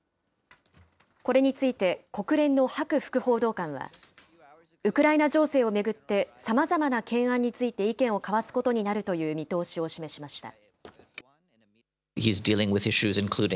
これについて、国連のハク副報道官は、ウクライナ情勢を巡って、さまざまな懸案について意見を交わすことになるという見通しを示しました。